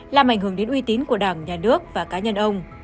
làm ảnh hưởng đến uy tín của đảng nhà nước và cá nhân ông